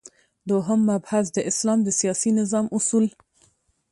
دوهم مبحث : د اسلام د سیاسی نظام اصول